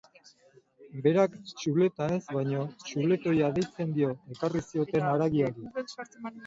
Berak txuleta ez baino, txuletoia deitzen dio ekarri zioten haragiari.